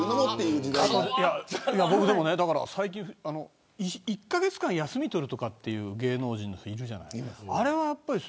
最近１カ月間休み取るという芸能人いるじゃない。